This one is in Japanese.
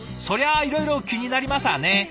そりゃあいろいろ気になりますわね。